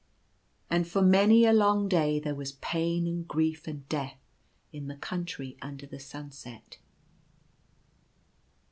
And for many a long day there was pain and grief and death in the Country Under the Sunset.